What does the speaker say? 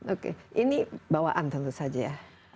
oke ini bawaan tentu saja ya